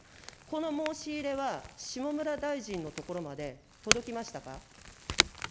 この申し入れは、下村大臣のところまで届きましたか。